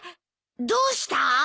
どうした？